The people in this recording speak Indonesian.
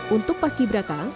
untuk paski braka